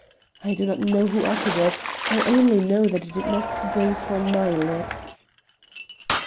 I do not know who uttered it; I only know that it did not spring from my lips."